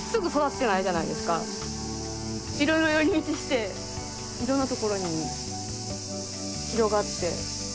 いろいろ寄り道していろんなところに広がって。